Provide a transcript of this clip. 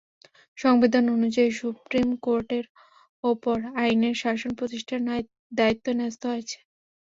সংবিধান অনুযায়ী সুপ্রিম কোর্টের ওপর আইনের শাসন প্রতিষ্ঠার দায়িত্ব ন্যস্ত হয়েছে।